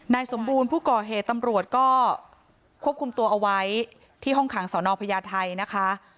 สมบูรณ์ผู้ก่อเหตุตำรวจก็ควบคุมตัวเอาไว้ที่ห้องขังสนพญาไทยนะคะ